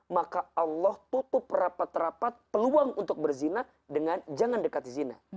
maka allah tutup rapat rapat peluang untuk berzina dengan jangan dekat zina